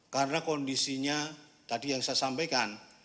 karena kondisinya tadi yang saya sampaikan